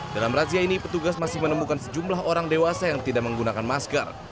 dalam razia ini petugas masih menemukan sejumlah orang dewasa yang tidak menggunakan masker